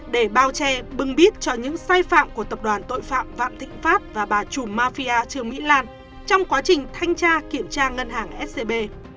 để bao che bưng bít cho những sai phạm của tập đoàn tội phạm vạn thịnh pháp và bà trùm mafia trương mỹ lan trong quá trình thanh tra kiểm tra ngân hàng scb